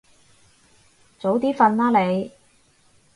早啲瞓啦你